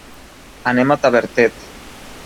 Anem a Tavertet.